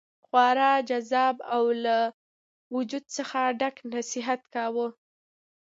خورا جذاب او له وجد څخه ډک نصیحت کاوه.